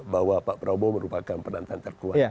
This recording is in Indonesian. bahwa pak probo merupakan penantan terkuat